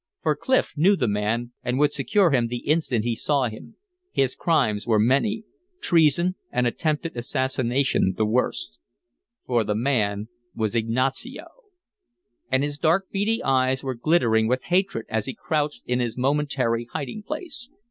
For Clif knew the man, and would secure him the instant he saw him; his crimes were many treason and attempted assassination the worst. For the man was Ignacio! And his dark, beady eyes were glittering with hatred as he crouched in his momentary hiding place.